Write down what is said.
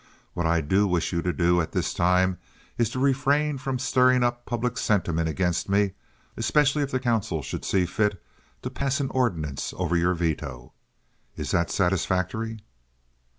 What I do wish you to do at this time is to refrain from stirring up public sentiment against me, especially if the council should see fit to pass an ordinance over your veto. Is that satisfactory?"